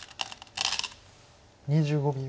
２５秒。